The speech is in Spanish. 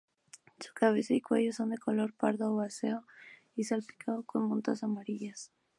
Su cabeza y cuello son de color pardo oliváceo, salpicado con motas amarillas.